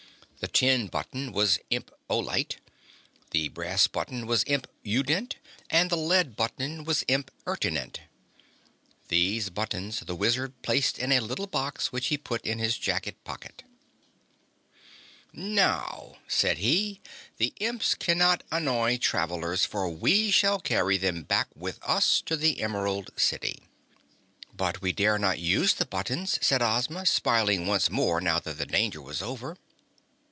The tin button was Imp Olite, the brass button was Imp Udent and the lead button was Imp Ertinent. These buttons the Wizard placed in a little box which he put in his jacket pocket. "Now," said he, "the Imps cannot annoy travelers, for we shall carry them back with us to the Emerald City." "But we dare not use the buttons," said Ozma, smiling once more now that the danger was over.